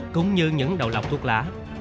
cũng như những đầu lọc thuốc lá